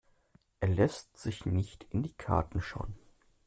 Er lässt sich nicht in die Karten schauen.